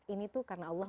ini tuh karena allah ya